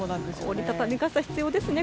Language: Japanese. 折り畳み傘、必要ですね